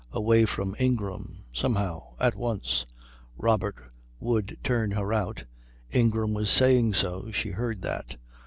Away from Ingram. Somehow. At once. Robert would turn her out Ingram was saying so, she heard that.